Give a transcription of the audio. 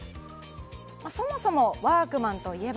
そもそもワークマンといえば。